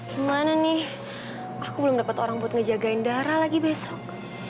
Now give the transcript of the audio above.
gimana nih aku belum dapat orang buat ngejagain darah lagi besok